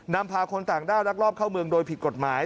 นำพาคนต่างด้าวรักรอบเข้าเมืองโดยผิดกฎหมาย